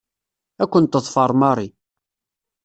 Ad ken-teḍfer Mary.